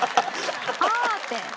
「はあ」って。